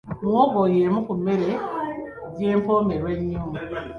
Muwogo y'emu ku mmere gye mpomerwa ennyo.